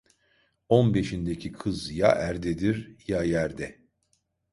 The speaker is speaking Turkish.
On beşindeki kız ya erdedir, ya yerde.